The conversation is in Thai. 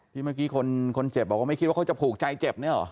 เมื่อกี้คนเจ็บบอกว่าไม่คิดว่าเขาจะผูกใจเจ็บเนี่ยเหรอ